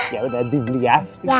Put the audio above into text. yaudah dibeli ya